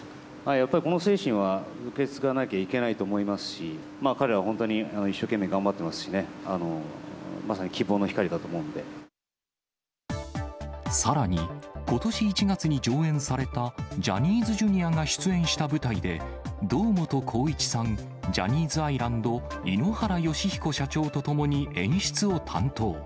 やっぱりこの精神は受け継がなきゃいけないと思いますし、彼らは本当に一生懸命頑張ってますしね、さらに、ことし１月に上演されたジャニーズＪｒ．が出演した舞台で、堂本光一さん、ジャニーズアイランド、井ノ原快彦社長と共に演出を担当。